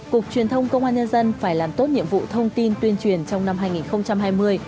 cục truyền thông công an nhân dân phải làm tốt nhiệm vụ thông tin tuyên truyền trong năm hai nghìn hai mươi